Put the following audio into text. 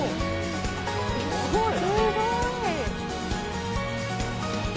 すごい！